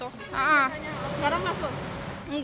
sekarang gak kak